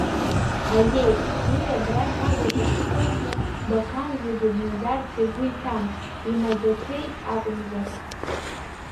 Аиеи, уи абрахь агаҿахь дкылсны, Бақәанӡагьы днаӡарц игәы иҭан, имаӡақәеит акәымзар.